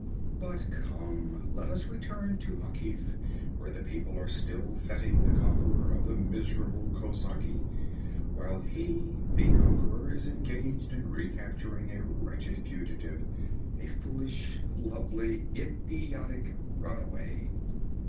'But come let us return to Akif, where the people are still feting the conqueror of the miserable kozaki; while he, the conqueror, is engaged in recapturing a wretched fugitive, a foolish, lovely, idiotic runaway!'